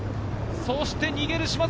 そして逃げる島崎。